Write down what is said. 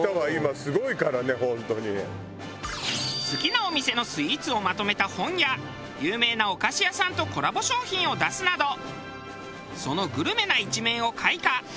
好きなお店のスイーツをまとめた本や有名なお菓子屋さんとコラボ商品を出すなどそのグルメな一面を開花。